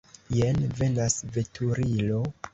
Jen venas veturilo.